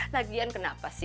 lagian kenapa sih